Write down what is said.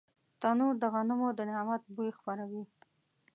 تنور د غنمو د نعمت بوی خپروي